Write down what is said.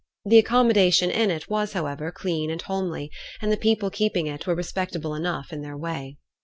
The accommodation in it was, however, clean and homely, and the people keeping it were respectable enough in their way.